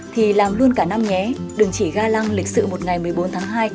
thì làm luôn cả năm nhé đừng chỉ ga lăng lịch sự một ngày một mươi bốn tháng hai